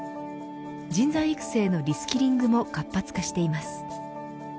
人材育成のリスキリングも活発化しています。